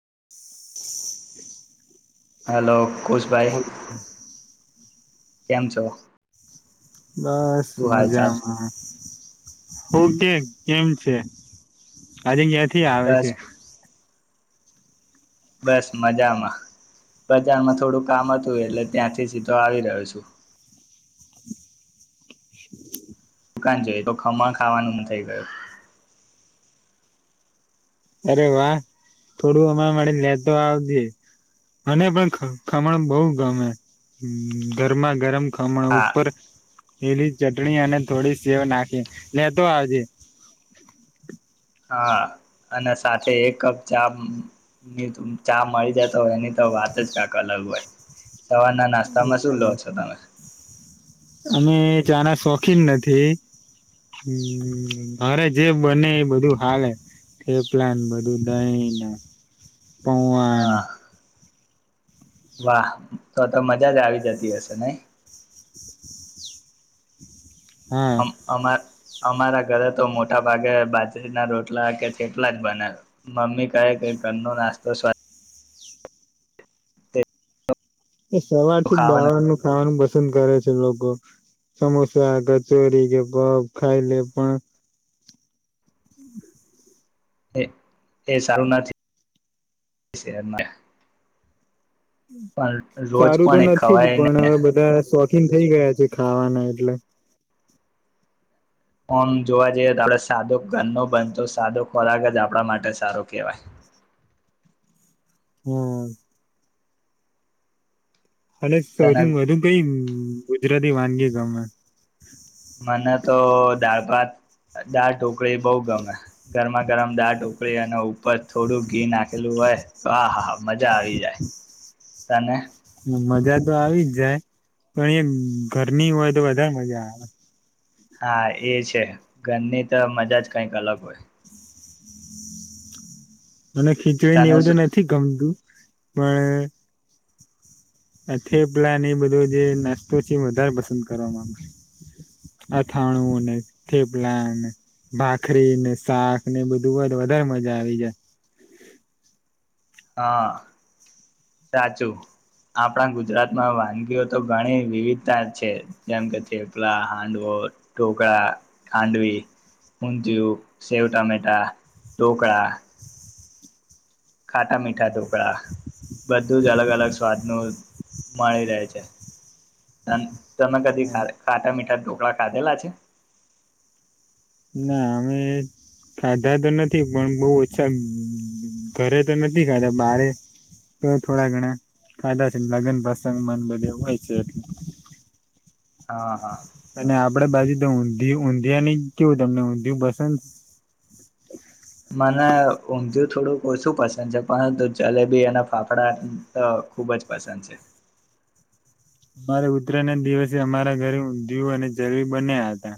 [inaudible] Hello ખુશભાઈ [inaudible] [inaudible] કેમ છો. બસ શું હાલ ચાલ મજામાં હુ કેય કેમ છે આજે ગયા થી આવે બસ છે. બસ મજામાં બજારમાં થોડું કામ હતું. એટલે ત્યાંથી સીધો આવી રહ્યો છું. દુકાન જઈએ તો ખમણ ખાવાનું થઈ ગયું. અરે વાહ થોડું અમારા માટે લેતો આવજે મને પણ ખમણ બહુ ગમે ગરમા ગરમ ખમણ હા ઉપર પેલી ચટણી અને થોડી સેવ નાખી લેતો આવજે હા અને સાથે એક કપ ચા ની ચા મળી જાય તો એની તો વાત જ કાક અલગ હોય સવારના નાસ્તામાં શું લો છો તમે અમે ચાના શોખીન નથી હમ મારે જે બને એ બધું હાલે થેપલાને બધું દહીંને હા પૌવાને વાહ તો તો મજા જ આવી જતી હશે ને હા અમ અમાર અમારા ઘરે તો મોટા ભાગે બાજરીના રોટલા કે જેટલા જ બનાવે મમ્મી કહે કે ઘરનો નાસ્તો સ્વાદ એ સવાર થી જ ખાવાનો બહારનું ખાવાનું બસ પસંદ કરે છે લોકો સમોસા કચોરી કે પફ ખાઈ લે પણ એ એ સારું નથી પણ રોજ સારું તો પણ એ નથી જ ખવાય પણ ને હવે બધા [unintelligible] થઈ ગયા છે ખાવાના એટલે આમ જોવા જઈએ તો આપ સાદો ઘરનો બનતો સાદો ખોરાક જ આપણા માટે સારો કેહેવાય હમ અને તને સૌથી વધુ કઈ ગુજરાતી વાનગી ગમે દાડ ઢોકળી બઉ ગમે ગરમા ગરમ દા ઢોકળી અને ઉપર થોડું ઘી નાખેલું હોય તો આ હા હા મજા આવી જાય તને મજા તો આવી જ જાય પણ એ ઘરની હોય તો વધારે મજા આવે હા એ છે ઘરની તો મજા જ કઈક અલગ હોય મને ખીચડી ને તને એવું તો શું નથી ગમતું પણ આ થેપલા ને એ બધો જે નાસ્તો છે એ વધારે પસંદ કરવા માંગ અથાણું ને થેપલાને ભાખરી ને શાક ને બધું વધારે મજા આવી જાય હા સાચું આપણા ગુજરાતમાં વાનગીઓ તો ઘણી વિવિધતા છે જેમ કે થેપલા હાંડવો ઢોકળા ખાંડવી ઊદિયું સેવ ટામેટા ઢોકળા ખાટા મીઠા તો બધું જ અલગ અલગ સ્વાદ નું મળી રહે છે તમે કદી ખાટા મીઠા છો [unintelligible] ખાધેલા છે ના અમે ખાધા તો નથી પણ બહ ઓછા ઘરે તો નથી ખાધા બારે તો થોડા ઘણા ખાધા છે લગ્ન પ્રસંગ મન બધે હોય છે હા હા અને આપડા બાજુ. ઊંધીયુ ઊંધીિયાની કેવું તમને ઊંધિયું પસંદ મને ઊઘયું થોડુંક ઓછું પસંદ છે પરંતુ જલેબી અને ફાફડા ખુબ જ પસંદ છે અમારે ઉુતરાન ના દિવસે અમારા ઘરે ઉંધીયું અને જલેબી બન્યા હતા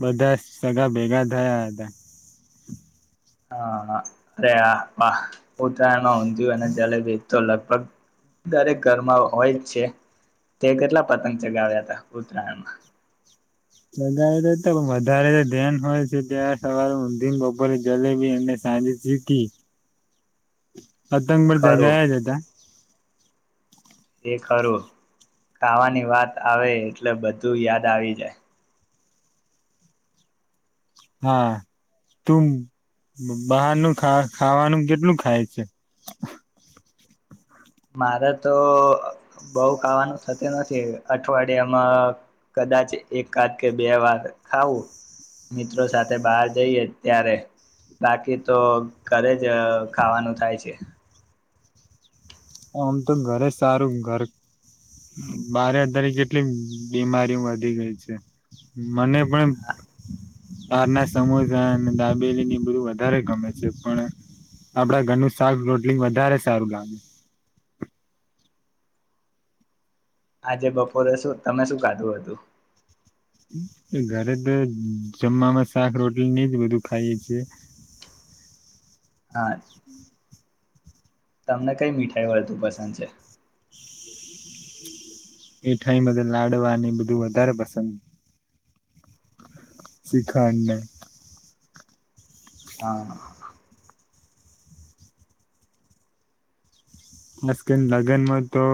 બધા સગા ભેગા થયા હતા હા અરે આ વાહ પોતાન ઊધયુ અને જલેબી તો લગભગ દરેક ઘરમાં હોય જ છે તે કેટલા પતંગ ચગાવ્યા હતા ઉત્તરાયણમાં વધારે તો એ થાય પણ વધારે તો ધ્યાન હોય છે ત્યારે સવારે ઉધીને બપોરે જલેબી અને સાંજે ચીકી પતંગ પણ ખરું ચગાવ્યા જ હતા એ ખરુ ખાવાની વાત આવે એટલે બધું યાદ આવી જાય. હા તું બહારનું ખાવા ખાવાનું કેટલું ખાય છે. મારે તો અ બઉ ખાવાનું થતું નથી અઠવાડિયામાં કદાચ એક કાદ કે બે વાર ખાવું મિત્રો સાથે બહાર જઈએ ત્યારે બાકી તો ઘરે જ ખાવાનું થાય છે. આમ તો ઘરે સારું ઘર બારે અત્યારે કેટલીક બીમારીઓ વધી ગઈ છે મને પણ બારના સમોસા અને દાબેલીને બધું વધારે ગમે છે પણ આપડા ઘરનું શાક રોટલી વધારે સારું ગામે આજે બપોરે શું તમે શું ખાધું હતું. ઘરે તો જમવામાં શાક રોટલીને જ બધું ખાઈએ છીએ. હા- તમને કઈ મીઠાઈ વધુ પસંદ છે? મીઠાઈમાં તો લાડવાની બધું વધારે પસંદ શીખંડને હા બસ કે લગ્નમાં તો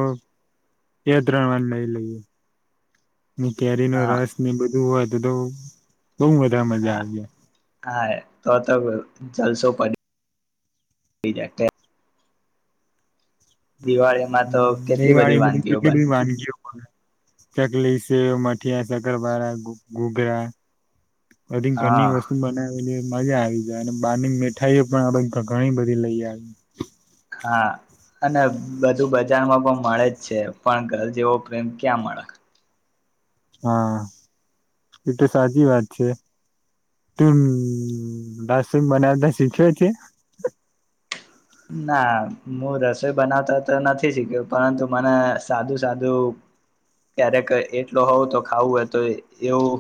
બે ત્રણ વાર લઈ લઈએ ને કેરીનો હા રસને બધું હોત જતો હોવ બહુ બધારે મજા હા આવી જાય હા તો ત અવ જલસો પડી ડી જાય દિવાળીમાં તો હમ કેટલી બધી દિવાળીમાં તો વાનગીઓ કેટલી બને બધી વાનગીઓ બને ચકલી, સેવ, મઠિયા, શકરપાળા, ગુ ગુઘરા અધીગ ઘરની હા વસ્તુ બને આવે મજા આવી જાય અને બહારની મીઠાઈઓ પણ આ બાજુ ઘ ઘણી બધી લઈ આવી. હા અને બધું બજારમાં પણ મળે જ છે પણ ઘર જેવો પ્રેમ ક્યાં મળે. હા એતો સાચી વાત છે, તું રસોઈ બનાવતા શીખ્યો છે? ના હું રસોઈ બનાવતા તો નથી શીખ્યો પરંતુ મને સાદું સાદું ક્યારેક એટલો હોવું તો ખાવું હોય તો એવું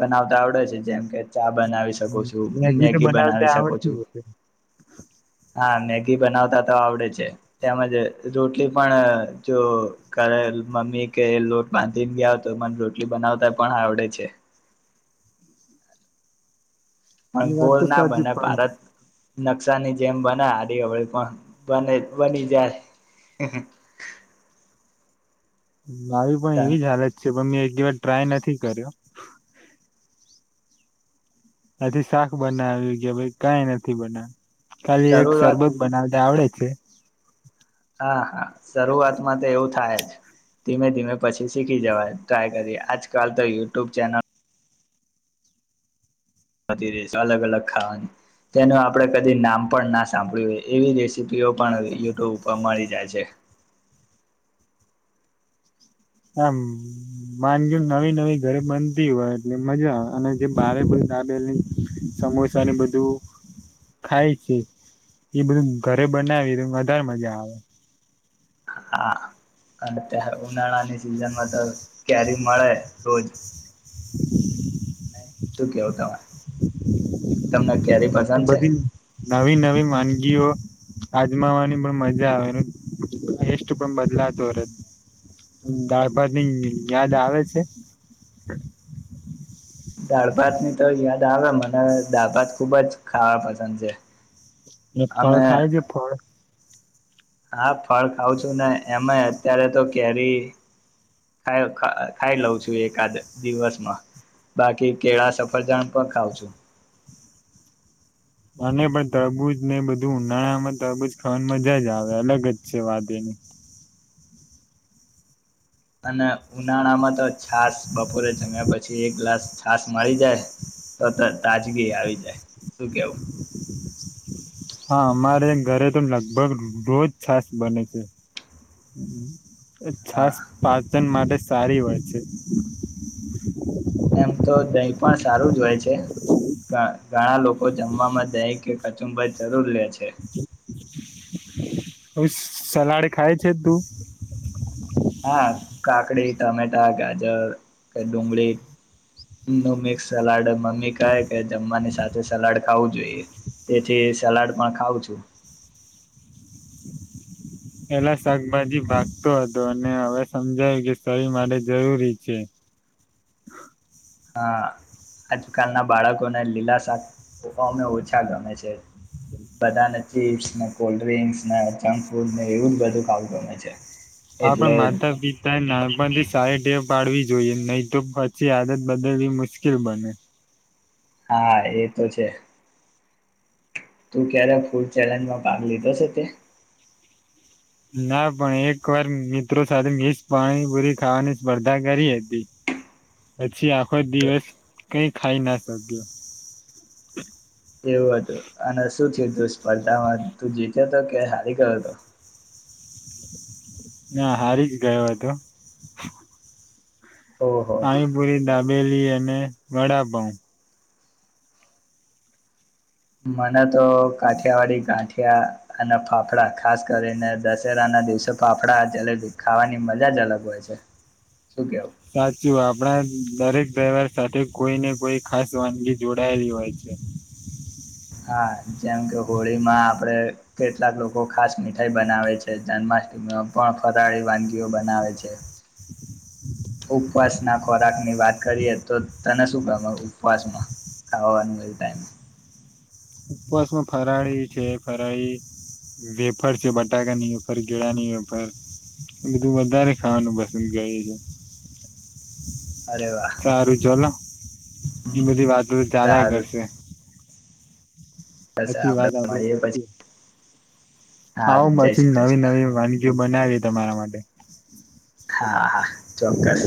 બનાવતા આવડે છે જેમ કે ચા બનાવી શકો છું, તો મેગી બનાવી બનાવતા શકો આવડતી છું. હશે. હા મેગી બનાવતા તો આવડે છે તેમજ રોટલી પણ જો ઘરે મમ્મી કે લોટ બાંધીને ગયા તો મને રોટલી બનાવતા પણ આવડે છે. પણ એ વાત ગોલ તો ના સાચી બને પણ ભારત નકશાની જેમ બને આડી અવળી પણ બને બની જાય. મારી પણ એવી જ હાલત છે પણ મે એ જી વાર ટ્રાય નથી કર્યો. આથી શાક બનાવી ગયા પહી કાઈ નથી બનાવ ખાલી એક શરૂઆત સરબત બનાવતા આવડે. છે. હા હા શરૂઆતમાં તો એવું થાય જ. ધીમે ધીમે પછી શીખી જવાય, ટ્રાય કરીએ આજકાલ તો યુટ્યુબ ચેનલ વધી રહી છે અલગ અલગ ખાવાની તેનું આપણે કદી નામ પણ ના સાંભળ્યું એ એવી રેસીપીઓ પણ યુટ્યુબ પર મળી જાય છે. આમ માનજો નવી નવી ઘરે બનતી હોય એટલે મજા આવે અને જે બારે બધી દાબેલી, સમોસા ને બધું ખાય છે, એ બધું ઘરે બનાવી વધારે મજા આવે. હા અત્યારે ઉનાળાની સિઝનમાં તો કેરી મળે રોજ. [inaudible] [inaudible] શું કેવ તમે? તમને કેરી અને પસંદ છે બધી નવી નવી માન ગીઓ આજમાવાની પણ મજા આવે. ટેસ્ટ પણ બદલાતો રેય, દાળ ભત ની યાદ આવે છે? દાળ ભાતની તો યાદ આવે મને દાળ ભાત ખુબ જ ખાવા પસંદ છે. અને ફળ અમે ખાય જે ફળ? હા, ફળ ખઉં છું ને એમે અત્યારે તો કેરી ખાઈ ખ-ખાઈ લઉં છું એકાદ દિવસમાં. બાકી કેળા સફરજણ પણ ખાવં છું. અને પણ તરબુજ ને બધું ઉનાળામાં તબુજ ખાવાની મજા જ આવે અલગ જ છે વાત એની. અને ઉનાળા માં તો છાસ બપોરે ચમ્યા પછી એક ગ્લાસ છાસ મળી જાય તો ત-તાજગી આવી જાય, શું કહેવું? હા, અમારે ઘરે તો લગભગ રોજ છાસ બને છે. અહ હા છાસ પાચન માટે સારી વાત છે. એમ તો દહીં પણ સારું જ હોય છે. ધ-ઘણા લોકો જમવામાં દહીં કે કચુંબર જરૂર લે છે. હુસ સલાડ ખાય છે તું? હા કાકડી, ટમેટા, ગાજર કે ડુંગળી નું મિક્સ સલાડ મમ્મી કહે કે જમવાની સાથે સલાડ ખાવું જોઈએ. તેથી સલાડ પણ ખાવં છું. પેલા શાકભાજી ભાગતો હતો અને હવે સમજાયું કે તરી માટે જરૂરી છે. હા, આજકાલના બાળકોને લીલા શાક ઓછા ગમે છે. બધાને ચીપ્સ ને કોલ્ડ ડ્રિંક્સ ને જંક ફૂડ ને એવું જ બધું ખાવું ગમે છે. હા, એટલે પણ માતા પિતા નાનપથી સારી ટેવ પાડવી જોઈએ નહીં તો પછી આદત બદલવી મુશ્કેલ બને. હા, એ તો છે. તું ક્યારે ફૂડ ચેલેન્જમાં ભાગ લીધો છે તે? ના પણ એક વાર મિત્રો સાથે મિકસ પાણીપુરી ખાવાની સ્પર્ધા કરી હતી. પછી આ આખો દિવસ કઈક ખાઈ ના સાધ્ય. તે તું સ્પર્ધામાં તું જીત્યો હતો કે હારી ગયો તો? ના હારી જ ગયો હતો. ઓહો હા એ બૂરે દા બેલી અને વડાપાવ. મને તો કાઠિયાવાડી ગાંઠ યા અને ફાફડા ખાસ કરીને દશેરા ના દિવસે ફાફડા ખાવાની મજા જ અલગ હોય છે. શું કેહવું? સાચું આપણા દરેક દિવાર સાથે કોઈ ને કોઈ ખાસ વાનગી જોડાયેલી હોય છે. હા, જેમ કે હોળીમાં આપડે કેટલાક લોકો ખાસ મીઠાઈ બનાવે છે. જન્માષ્ટમીમાં પણ ફરાળી વાનગીઓ બનાવે છે. ઓક ઉપવાસના ખોરાક ની વાત કરીએ તો તને શું ગમે ઉપવાસમાં ખાવાનું એ ટાઈમે. ઉપવાસમાં ફરાળી છે. ફરાળી વેફર છે બટાકાની વેફર કેેળાની વેફર બધું વધારે ખાવાનું પસંદ કરે છે. અરે વાહ સારું જલો. ઈ બધી વાતો તો ચાલ્યા સારું કરશે. સાચી વાત આપડે પછી આવો હારું જય પછી શ્રી નવી કૃષ્ણ નવી વાનગી બનાવી તમારા માટે હા હા ચોક્કસ